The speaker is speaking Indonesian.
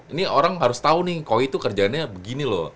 ini orang harus tahu nih koi tuh kerjaannya begini loh